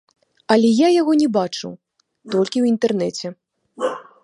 Але я яго не бачыў, толькі ў інтэрнэце.